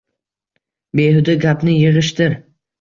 Behuda gapni yig’ishtir.